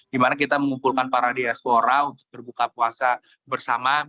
dimana kita mengumpulkan para diaspora untuk berbuka puasa bersama